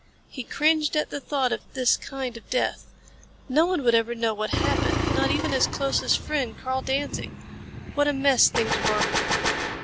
He cringed at the thought of this kind of death. No one would ever know how it happened. Not even his closest friend, Karl Danzig! What a mess things were.